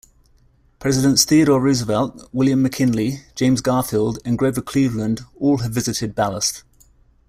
Presidents Theodore Roosevelt, William McKinley, James Garfield and Grover Cleveland all have visited Ballast.